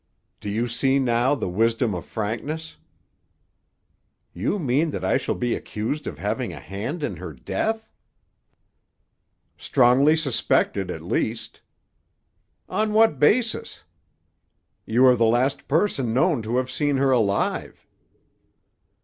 "Do you see now the wisdom of frankness?" "You mean that I shall be accused of having a hand in her death?" "Strongly suspected, at least." "On what basis?" "You are the last person known to have seen her alive."